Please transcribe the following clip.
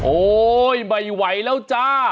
โอ๊ยไม่ไหวแล้วจ้า